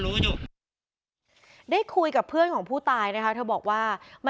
รู้อยู่ได้คุยกับเพื่อนของผู้ตายนะคะเธอบอกว่าไม่